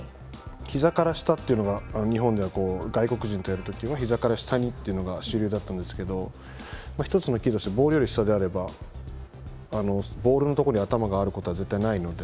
日本では外国人とやる時はひざから下にというのが主流だったんですけど１つのキーとしてボールより下であればボールのところより下に頭があることは絶対ないので。